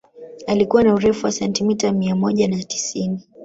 Alikuwa na urefu wa sentimita mia moja na tisini